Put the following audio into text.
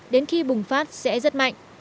đến khi bùng phát sẽ rất mạnh